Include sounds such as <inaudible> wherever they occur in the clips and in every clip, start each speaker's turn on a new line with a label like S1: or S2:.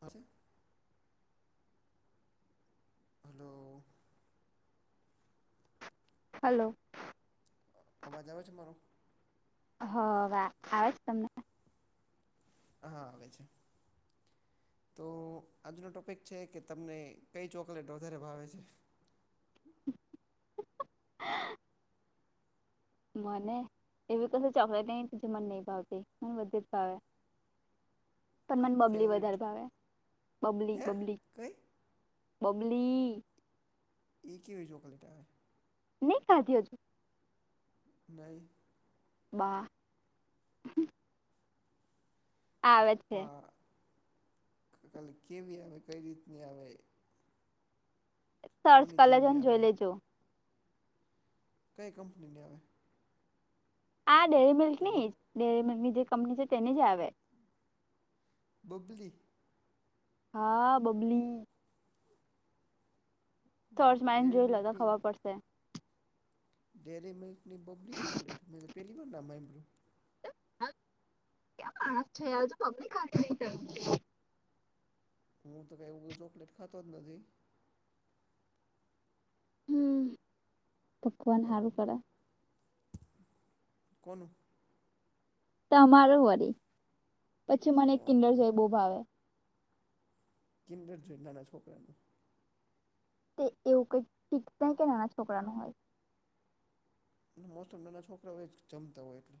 S1: હ છે hello
S2: hello
S1: અવાજ આવે છે મારો?
S2: હ વાહ આવેજ તમને?
S1: હા આવે છે. તો આજનો ટોપિક છે કે તમને કઈ ચોકલેટ વધારે ભાવે છે.
S2: <inaudible> મને એવી કશી ચોકલેટ ન જે મને નહી ભાવતી મને બધી જ ભાવે. પણ મને બબલી
S1: ફેવરિટ
S2: વધારે ભાવે બબલી
S1: હે
S2: બબલી
S1: કઈ
S2: બબલી
S1: એ કેવી ચોકલેટ આવે.
S2: નહી ખાધી હજુ.
S1: નઈ
S2: બાહ આવે છે
S1: પા ખાલી કેવી આવે કઈ રીતની આવે?
S2: સર્ચ
S1: કોની
S2: કરલેજો
S1: જેવી
S2: ને
S1: આવે
S2: જોઈ લેજો
S1: કઈ કંપનીને આવે?
S2: આ ડેરી મિલ્ક
S1: કે
S2: ની
S1: લોક
S2: ડેરી મિલ્ક ની જે કંપની છે તેની જ આવે
S1: બુબલી
S2: હા બબલી સર્ચ મારી ને
S1: ડેરી
S2: જોઈ લે તો ખબર પડશે.
S1: ડેયરી મિલ્કની બબલી ચોકલેટ મેં તો પહેલી વાર નામ હાભળ્યુ
S2: ક્યા માણસ છે <unintelligible>
S1: હું તો કઈ એવું ચોકલેટ ખાતો જ નથી.
S2: હમ ભગવાન હારું
S1: બબલી
S2: કરે
S1: કોણ
S2: તમારું વરી પછી
S1: તો
S2: મને એક
S1: વાંધો
S2: કિડર
S1: નહીં
S2: જોઈ બહુ ભાવે.
S1: કિન્ડરજોય નાના છોકરાનું.
S2: તે એવું કંઈક શીકતા કે નાના છોકરાનું હોય.
S1: મોસ્ટ ઓફ નાના છોકરાઓ એજ જમતા હોય એટલે.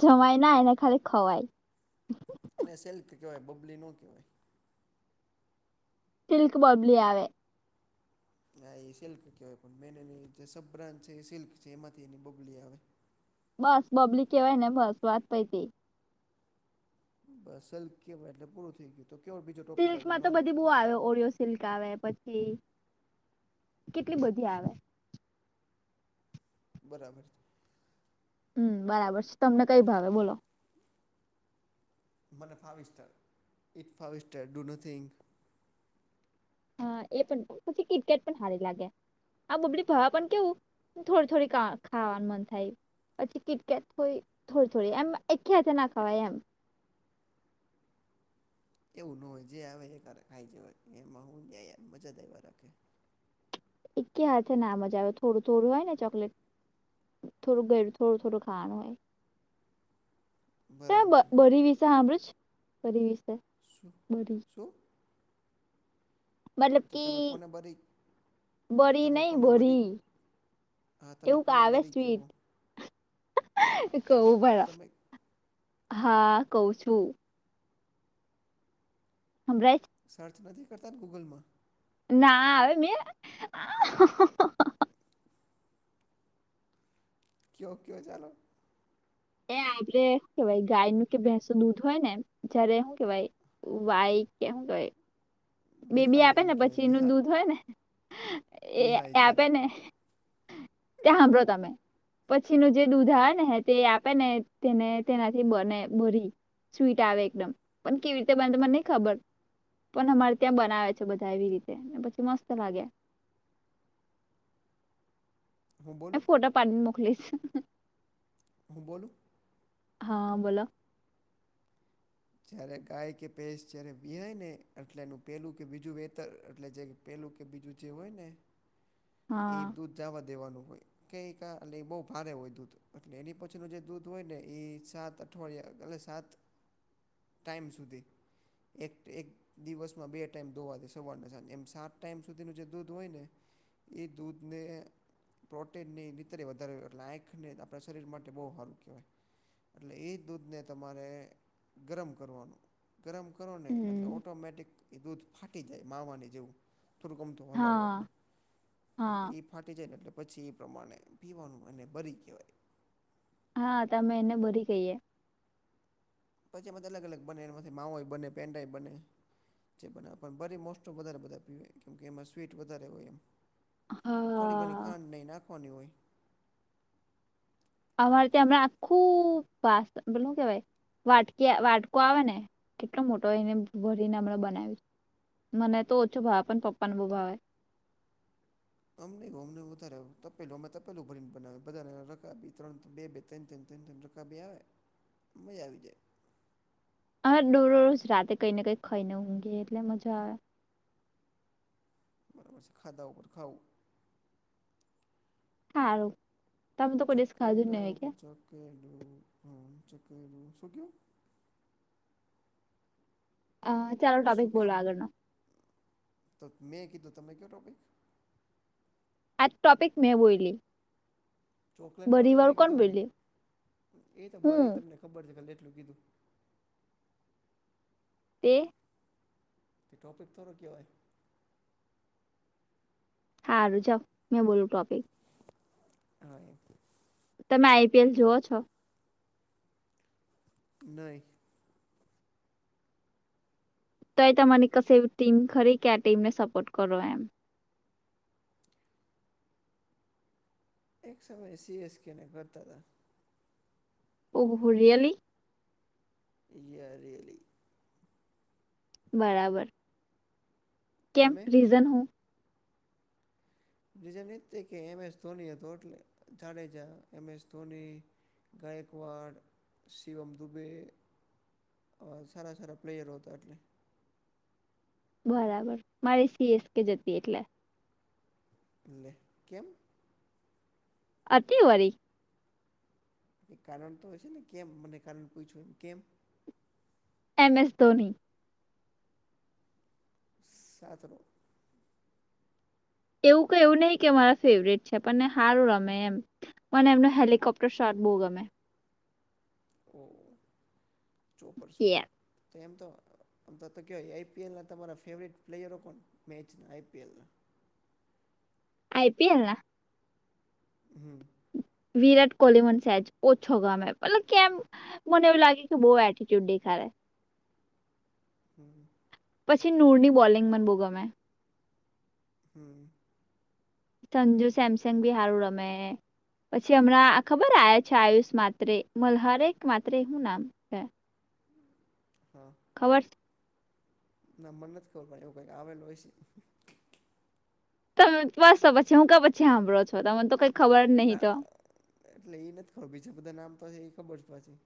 S2: જમાય ના એને ખાલી ખવાય.
S1: એને સિલ્ક કહેવાય બબલી નો કહેવાય.
S2: સિલ્ક બબલી આવે.
S1: ના એ સિલ્ક કહેવાય પણ મે એની જે સબ બ્રાન્ડ છે એ સિલ્ક છે એમાંથી એની બબલી આવે.
S2: બસ બબલી કેવાય ને બસ વાત પઈતી.
S1: બસ હલ કેવા એટલે પૂરું થઈ ગયું તો કેવ બીજો ટોપિક આગળ નોહમ હાલો.
S2: શું આવે ઓરીયોસ સિલ્ક આવે પછી કેટલી બધી આવે.
S1: બરાબર છે.
S2: હમ બરાબર છે. તમને કઈ ભાવે બોલો?
S1: મને ફાવી સ્ટાર, ઇટ ફાવી સ્ટાર ડુ નથિંક.
S2: હા એ પણ પછી કીટકેટ પણ હારી લાગે. આ બબલી ભાવે પણ કેવું થોડી થોડી કા ખાવાનું મન થાય. પછી કીટકેટ હોય થોડી થોડી એમ એકી હાથે ના ખવાય એમ.
S1: એવું ન હોય જે આવે એક હારે ખાઈ જવાય. એમાં હું યાર મજા જ આયવા રાખે.
S2: એકી હાથે ના મજા આવે. થોડું થોડું હોય ને ચોકલેટ. થોડું ભેળ થોડું થોડું ખાવાનું હોય. તે
S1: બરાબર
S2: બ
S1: છે
S2: બરી વિશે હાંભડયું છે? બરી વિશે?
S1: શું
S2: બરી?
S1: શું
S2: મતલબ
S1: એટલે
S2: કે
S1: તમે કોને બરી
S2: બરી
S1: તમે
S2: નહી
S1: કોને
S2: બરી?
S1: હા તમે
S2: એવું કઈ
S1: કોને
S2: આવે
S1: બરી
S2: સ્વીટ.
S1: કયો
S2: કઉં ઉભારો.
S1: તમે
S2: હા કઉં છું. હભરાય છ?
S1: સર્ચ નથી કરતા ને ગૂગલમાં?
S2: ના હવે મેં આ
S1: કયો ક્યો ચાલો.
S2: એ આપડે હું કેવાય ગાયનું કે ભેંસનું દૂધ હોય ને જયારે હું કેવાય? વાઈ કે હું કેવાય? બેબી
S1: વિહાય
S2: આપે
S1: એમ
S2: ને
S1: કહેવાય
S2: પછી એનું
S1: વિહાય
S2: દૂધ હોય ને એ
S1: વિહાય જ્યારે
S2: આપેને કે હાભરો તમે. પછીનું જે દૂધ આવે ને હે તે આપેને તેને તેનાથી બને બરી. સ્વીટ આવે એકદમ. પણ કેવી રીતે બને તે મને નહી ખબર. પણ અમારે ત્યાં બનાવે છે બધા એવી રીતે, ને પછી મસ્ત લાગે.
S1: હું
S2: મેં
S1: બોલું
S2: ફોટો પાડીને મોકલીશ.
S1: હું બોલું?
S2: હા બોલો.
S1: જ્યારે ગાય કે ભેંસ જ્યારે વિહાય ને એટલે એનું પેલું કે બીજું વેતર એટલે જે પહેલું કે બીજું જે હોય ને એ
S2: હા
S1: દૂધ જાવા દેવાનું હોય. કેઈક આ એટલે એ બહુ ભારે હોય દૂધ. અટલે એની પછીનું જે દૂધ હોય ને એ સાત અઠવાડિયા એટલે સાત ટાઈમ સુધી. એક એક દિવસમાં બે ટાઈમ દોવા દે સવારને સાંજ. એમ સાત ટાઈમ સુધીનું જે દૂધ હોય ને એ દૂધને પ્રોટીનની નીતરે વધારે એટલે આંખને આપણા શરીર માટે બહુ હારું કહેવાય. એટલે એ દૂધને તમારે ગરમ કરવાનું. ગરમ કરો ને એટલે
S2: હમ
S1: ઑટોમેટિક એ દૂધ ફાટી જાય માવાની જેવું. થોડુંક અમથું હલાવો એટલે.
S2: હા હા
S1: એટલે એ ફાટી જાય ને એટલે પછી એ પ્રમાણે પીવાનું એને બરી કહેવાય.
S2: હા તમે એને બરી કહીએ.
S1: પછી એમાંથી અલગ અલગ બને એનામાંથી માવો એ બને, પેંડા એ બને. જે બનાવ. પણ બરી મોસ્ટોપ વધારે બધા પીવે કેમ કે એમાં સ્વીટ વધારે હોય એમ. થોડી ઘણી
S2: હા
S1: ખાંડને ઈ નાખવાની હોય.
S2: અમારે ત્યાં હમણા આખું પાસ પેલુ હું કેવાય. વાટકી આ વાટકો આવે ને કેટલો મોટો એને ભરીને હમણાં બનાવી. મને તો ઓછો ભાવ પણ પપ્પાને બો ભાવે
S1: અમ ન અમને વધારે તપેલું, અમે તપેલું ભરીને બનાવી, બધાને આપીએ બને રખી ત્રણ બે બે તેમ તેમ તેમ તેમ રકાબી આવે, મજા આવી જાય.
S2: હા, દરરોજ રાતે કઈ ને કઈ ખાઈને ઊંઘે એટલે મજા આવે.
S1: બરાબર છે ખાધા ઉપર ખાવું
S2: હારુ.
S1: <unintelligible> શું કેવ?
S2: અહ ચાલો
S1: શું
S2: ટોપિક
S1: કયો
S2: બોલો આગળનો
S1: તો મેં કીધું, તમે કયો ટૉપિક.
S2: આજ ટોપિક મેં બોયલી.
S1: ચોકલેટ વાળો
S2: બધી
S1: તો
S2: વાર
S1: મેં
S2: કોણ
S1: કીધો ને,
S2: બોલ્યું
S1: એ તો ભરી
S2: હું
S1: તમને ખબર છે ખાલે એટલું કીધું.
S2: તે
S1: તે ટોપિક થોડો કહેવાય.
S2: હારું જાવ, મેં બોલું ટોપિક.
S1: હારુ.
S2: તમે આઈ પી એલ જોુઓ છો?
S1: નઈ
S2: તોય તમારી કશે ટીમ ખરી કે આ ટીમને સપોર્ટ કરો, એમ?
S1: એક સમય સી એ સ્ કેને કરતા હતા.
S2: ઓ હો રિયલી
S1: યા રિયલી
S2: બરાબર. કેમ,
S1: તમે
S2: રીઝન હું?
S1: રીઝાન એ છે જ કે એમ એસ ધોની હતો એટલે જાડેજા, એમ એસ ધોની ગાયકવાડ, શિવમ દુબે અહ સારા સારા પ્લેયરો હતા એટલે
S2: બરાબર મારી સી એસ કે જ હતી એટલે
S1: લે કેમ?
S2: અતિ વરી
S1: એ કારણ તો હોય છે ને કેમ, મને કારણ પૂછ્યું એમ કેમ
S2: એમ એસ ધોની
S1: સાત નો
S2: એવું કઈ એવું નહી કે મારા ફેવરેટ છે, પણ એ સારું રમે એમ. મને એમનું હેલિકોપ્ટર શોટ બો ગમે.
S1: <unintelligible> તો
S2: યાર
S1: એમ તો આમ તો તો કહેવાય આઈ પી એલ ના તમારા ફેવરેટ પ્લેયરો કોણ, મેચના આઈ પી એલ ના
S2: આઈ પી એલ ના
S1: હમ્મ.
S2: વિરાટ કોહલી મને શેજ ઓછો ગમે, મતલબ કેમ મને એવું લાગે કે બો એટટીચ્યુડ દેખાડે
S1: હમ્મ.
S2: પછી નૂરની બોલિંગ મને બો ગમે.
S1: હમ્મ.
S2: સંજુ સેમસંગ બી હારું રમે. પછી હમણાં ખબર આયછા છે આયુષ માત્ર મલ્હારે માત્ર શું નામ? છે
S1: હા.
S2: ખબર
S1: ના મને નથી ખબર પડે એવું કઈક આવેલું હોય છે.
S2: તમે બસ પછી હું કામ પછી સાંભળો છો, તમને તો કઈ ખબર જ નહી
S1: ના
S2: તો
S1: એટલે એ નથી ખબર, બીજા બધા નામ તો હ એ ખબર જ પાછું.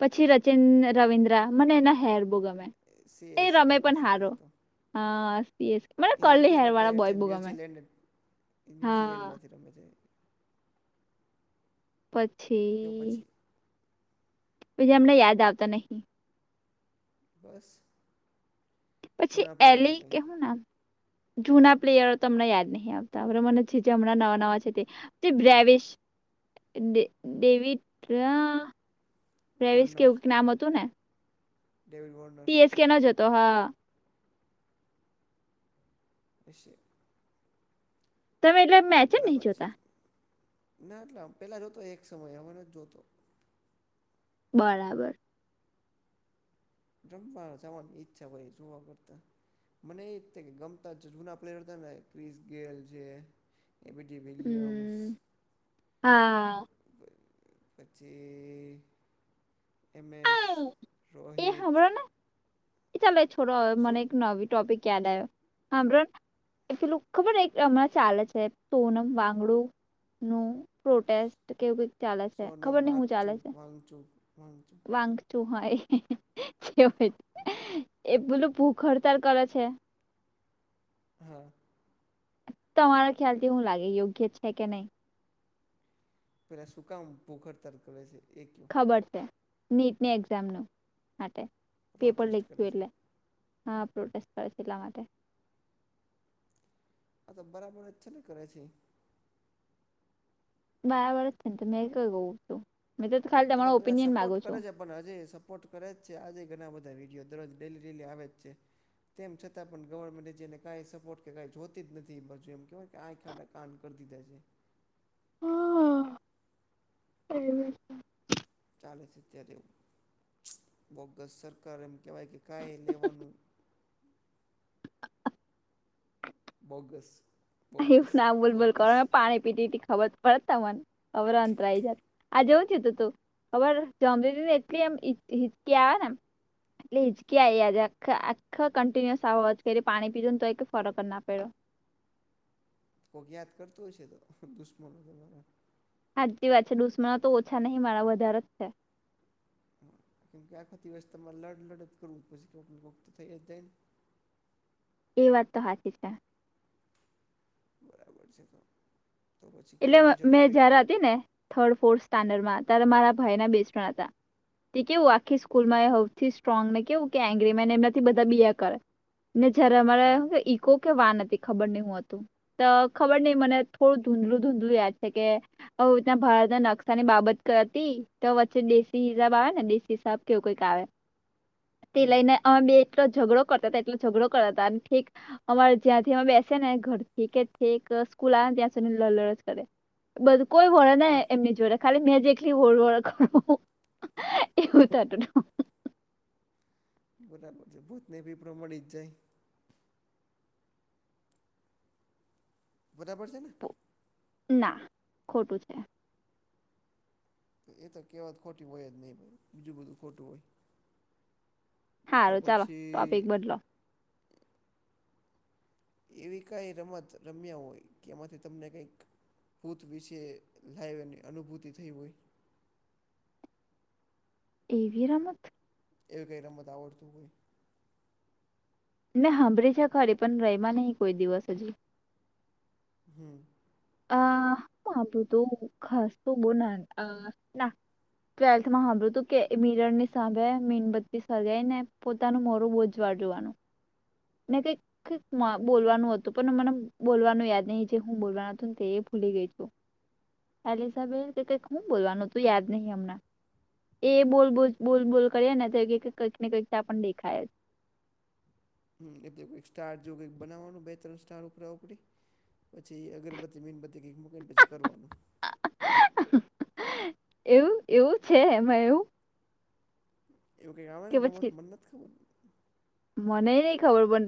S2: પછી રચન રવિન્દ્ર, મને એના હેર બો ગમે.
S1: સી
S2: એ
S1: એસ
S2: રમે પણ
S1: કેમાંસે
S2: હારો
S1: આઈ તો
S2: હા સીએસ મને
S1: એ
S2: કરલી હેર
S1: ઇન્ડિયાનો
S2: વાળા
S1: પ્લેયર છે
S2: બોય બહુ ગમે
S1: ન્યૂઝીલેન્ડ ન્યૂઝીલેન્ડ
S2: હા
S1: માંથી રમે છે એ
S2: પછી પછી અમને યાદ આવતા નહી.
S1: બસ.
S2: પછી
S1: જૂના પ્લેયરો
S2: એલી કે
S1: કંઈક
S2: હું નામ. જૂના પ્લેયરો તો તમને યાદ નહં આવતા હવે મને જે જે હમણાં નવા નવા છે તે તે બેર્વિશ ડે ડેવી ડેવડ ક્યાં. રવશ કેવું નામ હતું ને.
S1: ડેવિ બોર્ન.
S2: ટી એસ કે નો જ હતો હા.
S1: પશી
S2: તમે એટલે મેચ જ નહીં
S1: બરાબર છે,
S2: જોતા
S1: ના એટલે પેલા જોતો એક સમય હવે નથ જોતો.
S2: બરાબર.
S1: રમવા જવાની ઈચ્છા હોય જોવા કરતા. મને એ જ થ કે ગમતા જ જૂના પ્લેયર હતા ને, ક્રિસ ગેલ જે એ બી ડી વિલ્યમસ.
S2: હમ, હા
S1: પછી એમ એસ
S2: આ,
S1: રોહિત.
S2: ચાલ છોડો
S1: શું
S2: મને એક નવી ટોપિક યાદ આવ્યો, હ્માભ્રો. એ પેલું ખબર હમણાં ચાલે છે સોનમ વાંગડું નું પ્રોટેસ્ટ કેવું ચાલે છે ખબર નહ હું ચાલે છે.
S1: પચું. વાઘચુ
S2: પાંખચુ હોય હોય એ બલું ભૂખ હડતાર કરે છે.
S1: હા.
S2: તમારા ખ્યાલ થી હું લાગે યોગ્ય છે કે નહીં?
S1: પેલા સુકામ ભૂ હરતર કરે છે એકયો?
S2: ખબર છે નીટની એક્ઝામ ન માટે, પેપર
S1: પ્રોટેસ્ટ
S2: લીક
S1: કરે છે
S2: એટલે. હા પ્રોટેસ્ટ કરે છે એટલા માટે.
S1: હા તો બરાબર અ છે ને કરે છે?
S2: બરાબર જ છે ને તો મેં કઈ કઉ છું મેં તો ખાલી
S1: અને
S2: તમારો
S1: બધા
S2: ઓપિનિયન
S1: સપોર્ટ
S2: માગુ છો.
S1: કરે છે પણ હજે સપોર્ટ કરે જ છે આજે ઘણા બધા વિડીયો દરરોજ ડેલી ડેલી આવે જ છે. તેમ છતાં પણ ગવર્મેન્ટ જેને કઈ સપોર્ટ કે કઈ જોતી જ નથી બાજુ એમ કેહેવાય કે આ ખાડા આમતેમ થઈ જા છે.
S2: <unintelligible>
S1: ચાલે છે ત્યારે એવું. બોગસ સરકાર એમ કહેવાય કે કાઈ લેવાનું બોગસ.
S2: એવુ
S1: બોગસ
S2: ના બૂલ બુલ
S1: બોગસ
S2: કરો મેં પાણી પીતી હતી ખબર વળતા મન અવર અંતરા આવી જાત આ જવું છે તું તું. ખબર જમને એટલી એમ હિચકી આવે એમ. એટલે ઈગજે આ આખા કન્ટિન્યુસ આવો પાણી પીજો ને તો ફરક ના પડ્યો.
S1: કોક યાદ કરતું હોય છે તો દુશ્મનોરા.
S2: હજી વાત છે દુશ્મનો તો ઓછા નહીં મારા વધારે જ છે.
S1: હ કેમકે આખો દિવસ તમારે લડ લડ જ કરવું પછી કોઈકને કોઈક તો થઈ જાય ને.
S2: એ વાત તો સાચી છે.
S1: બરાબર છે તો. તો પછી
S2: એટલે
S1: કયો બીજો
S2: મેં
S1: ટોપિક
S2: જયાર હતી ને- થર્ડ ફોર્થ સ્ટાન્ડર્ડમાં ત્યારે મારા ભાઈના બેસ્ટ ફ્રેન્ડ હતા તે કેવું આખી સ્કૂલ સ્ટ્રોંગ ને કેવું એંગ્રી મેન એમનાથી બધા બ બે કરે ને જયારે અમારા
S1: હમ
S2: કો કે વાન હતી ખબર નહિ હું હતું તો ખબર નહિ મને થોડું ધૂંધલું ધૂંધલું યાદ છે કે હ ત્યાં ભારતના નકશા ની બાબત હતી તો વચ્ચે દેશી હિસાબ આવે ને દેશી હિસાબ કેવું કઈક આવે તે
S1: હમ
S2: લઈને અમે બે એટલો ઝઘડો કરતા હતા એટલો ઝઘડો કરતા હતા અને ઠીક અમારે જ્યાં થી અમે બેસે ને ઘર થીઠીક સ્કૂલ આવે ને ત્યાં સુધીડ બધું કોઈ વળણ એમની જોડે ખાલી મેં જેટલી વળ વળ કરું. ઉતટ ન
S1: બરાબર છે ભૂત નને પીપડો મળી જ જાય બરાબર છે ને, !
S2: ના ખોટું છે.
S1: એ તો કેવત ખોટી હોય જ નહી બીજું બધું ખોટું હોય. તો
S2: સારું ચાલો ટોપિક
S1: પછી
S2: બદલો
S1: એવી કઈ રમત રમ્યા હોય કે એમાંથી તમને કંઈક ભૂત વિશે લાઈવની અનુભૂતિ થઈ હોય.
S2: એવી રમત.
S1: એવી કઈ રમત આવડતું હોય.
S2: ના સાંભળી છે ખરે પણ રહીમાં નહી કોઈ દિવસ હજી.
S1: હમ્મ.
S2: આ બુંધું ખાસ તો બો ના ના ટ્વેલથમાં હાંબર્યું તું કે મીરર ની સામેં મીનબત્તી સળગાઈ એ પો પોતાનું મોરું બહુ જ વાળ જોવાનું. ને કઈકક બોલવાનું હતું પણ મને બોલવાનું યાદ નહીં છે હું બોલવાનું. તે ભૂલી ગઈ છું એલઝાબે કઈું બોલવાનું તું યાદ નહીં હમણાં. એ બોલ બલ બોલ બૂલ કરીએ ને તો કંઈક ને કંઈક પણ દેખાય.
S1: હમ એટલેક સ્ટાર જોું કઈક બનાવવાનું બે ત્રણ સ્ટાર ઉપરા ઉપડી. પછી અગરબત્તી મીનબત્તી કઈક મૂકીને પછી કરવાનું.
S2: એવું એવું છે એમાં એવું.
S1: એવું કઈ આવે
S2: કે
S1: છે રમત
S2: પછી
S1: મને નથ ખબર.
S2: મને નઈ ખબર પન